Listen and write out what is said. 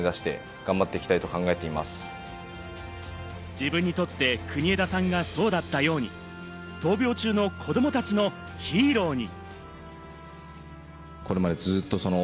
自分にとって国枝さんがそうだったように、闘病中の子どもたちのヒーローに。